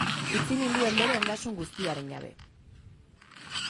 Utzi ninduen bere ondasun guztiaren jabe